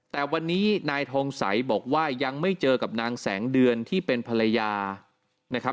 แต่วันนี้นายทองใสบอกว่ายังไม่เจอกับนางแสงเดือนที่เป็นภรรยานะครับ